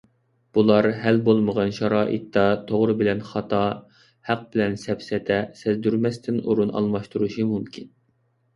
بۇلار ھەل بولمىغان شارائىتتا توغرا بىلەن خاتا، ھەق بىلەن سەپسەتە سەزدۇرمەستىن ئورۇن ئالماشتۇرۇشى مۇمكىن.